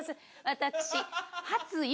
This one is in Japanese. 私。